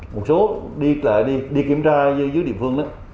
một số đi kiểm tra dưới địa phương đó